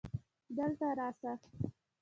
دلته راسه